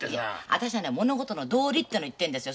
私はね物事の道理っていうの言ってんですよ。